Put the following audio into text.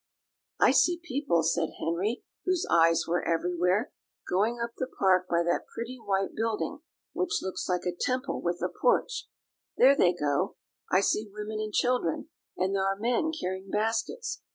"I see people," said Henry, whose eyes were everywhere, "going up the park by that pretty white building which looks like a temple with a porch there they go I see women and children and there are men carrying baskets.